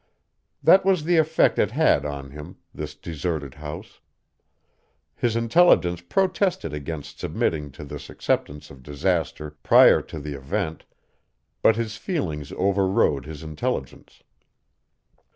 That was the effect it had on him, this deserted house. His intelligence protested against submitting to this acceptance of disaster prior to the event, but his feelings overrode his intelligence.